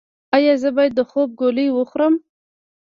ایا زه باید د خوب ګولۍ وخورم؟